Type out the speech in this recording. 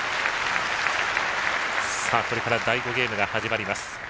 これから第５ゲームが始まります。